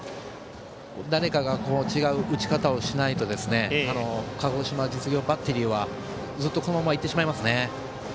誰かが違う打ち方をしないと鹿児島実業バッテリーはずっとこのままいってしまいますね。